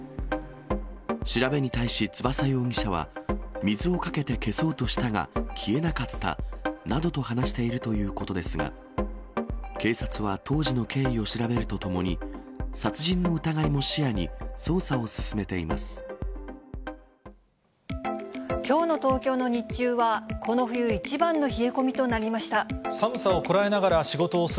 調べに対し翼容疑者は、水をかけて消そうとしたが、消えなかったなどと話しているということですが、警察は当時の経緯を調べるとともに、殺人の疑いも視野に、捜査を進めています。